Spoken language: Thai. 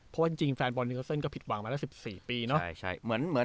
เพราะว่าจริงแฟนบอลที่เขาเส้นก็ผิดหวังมาแล้ว๑๔ปีเนาะ